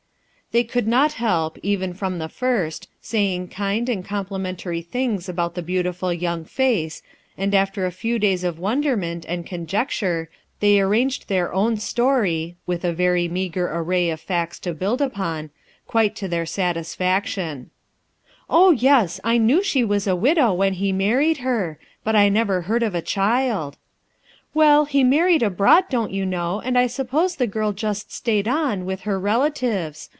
They eould not help, even from the first, saying kind and complimentary things about the beautiful young face, and after a few days 3S3 3S4 RUTH ERSKINE'S SOX of wonderment and conjecture they arrai _ bcrownstory withaverynaeagrearr^ facts to buSd upon quite to their satisfactL Oil, yes, I knew she Was a widow when he married her; but I never heard of a child." "Well, he married abroad, don't you know and I suppose the girl just stayed on, with her relatives.